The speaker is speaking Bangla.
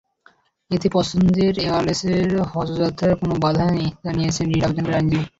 এতে পছন্দের এয়ারলাইনসে হজযাত্রায় কোনো বাধা নেই বলে জানিয়েছেন রিট আবেদনকারীদের আইনজীবী।